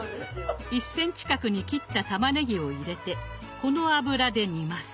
１センチ角に切ったたまねぎを入れてこの油で煮ます。